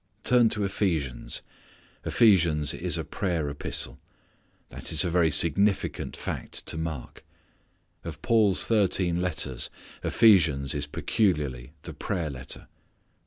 Turn to Ephesians. Ephesians is a prayer epistle. That is a very significant fact to mark. Of Paul's thirteen letters Ephesians is peculiarly the prayer letter.